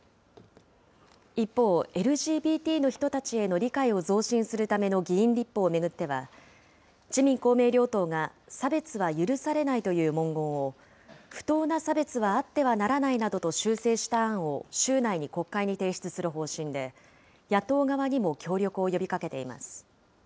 一方、ＬＧＢＴの人たちへの理解を増進するための議員立法を巡っては、自民、公明両党が差別は許されないという文言を、不当な差別はあってはならないなどと修正した案を、週内に国会に提出する方針で、野党側にも協力を呼びかけています。